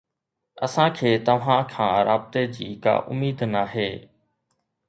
اسان کي توهان کان رابطي جي ڪا اميد ناهي